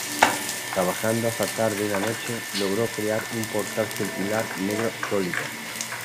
Trabajando hasta tarde una noche, logró crear un portal circular negro sólido.